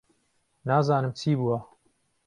نازانم چی بووە.